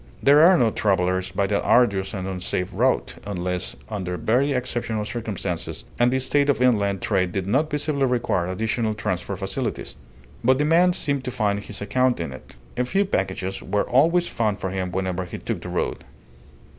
There are no travellers by that arduous and unsafe route unless under very exceptional circumstances, and the state of inland trade did not visibly require additional transport facilities; but the man seemed to find his account in it. A few packages were always found for him whenever he took the road.